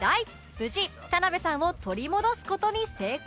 無事田辺さんを取り戻す事に成功